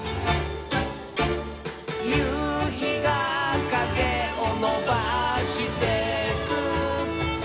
「ゆうひがかげをのばしてく」